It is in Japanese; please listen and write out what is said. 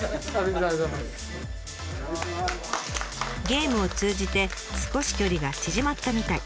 ゲームを通じて少し距離が縮まったみたい。